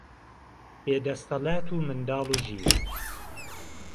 بێدهستهلات و منداڵ و ژیر